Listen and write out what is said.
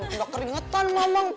enggak keringetan mama enggak